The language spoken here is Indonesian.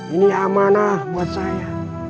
ini amanah buat saya